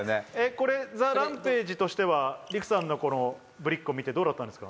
これＴＨＥＲＡＭＰＡＧＥとしてはＲＩＫＵさんのぶりっこ見てどうだったんですか？